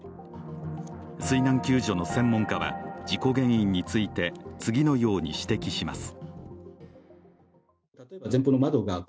水難救助の専門家は事故原因について次のように指摘します。